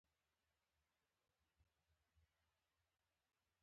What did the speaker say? موږ د هغوی د څو کسانو لاسونه او سرونه مات کړل